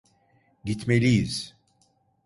Gitmeliyiz!